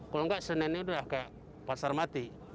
kalau enggak senin ini udah kayak pasar mati